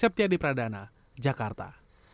septiadi pradana jakarta